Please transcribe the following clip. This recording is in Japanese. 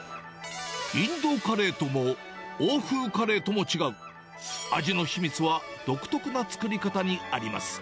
インドカレーとも、欧風カレーとも違う、味の秘密は独特な作り方にあります。